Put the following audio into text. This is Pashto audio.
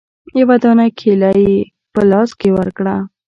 يوه دانه کېله يې په لاس کښې ورکړه.